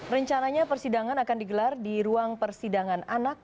rencananya persidangan akan digelar di ruang persidangan anak